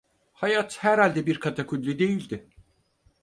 Hayat herhalde bir katakulli değildi.